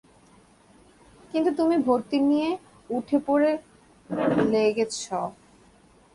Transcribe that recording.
কিন্তু তুমি ভর্তি নিয়ে উঠেপড়ে লেগেছ।